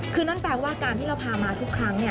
คือนั่นแปลว่าการที่เราพามาทุกครั้ง